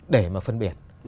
để mà phân biệt